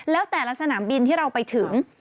แล้วแต่ละสนามบินที่เราไปถึง